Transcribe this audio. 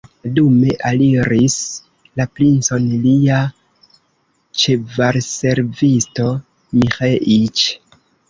Dume aliris la princon lia ĉevalservisto Miĥeiĉ.